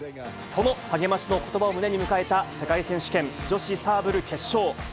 その励ましのことばを胸に迎えた世界選手権、女子サーブル決勝。